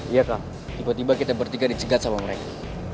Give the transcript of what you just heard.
iya kak tiba tiba kita bertiga dicegat sama mereka